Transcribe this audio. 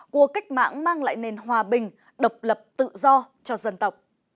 của cách mạng mang lại nền hòa bình độc lập tự do cho dân tộc